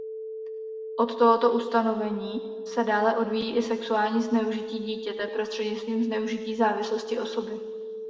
Od tohoto ustanovení se dále odvíjí i sexuální zneužití dítěte prostřednictvím zneužití závislosti osoby.